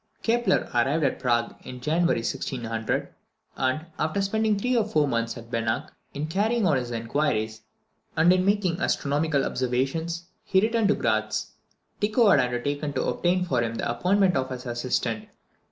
Kepler arrived at Prague in January 1600, and, after spending three or four months at Benach, in carrying on his inquiries and in making astronomical observations, he returned to Gratz. Tycho had undertaken to obtain for him the appointment of his assistant.